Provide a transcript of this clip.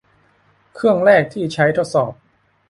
เครื่องแรกที่ใช้ทดสอบ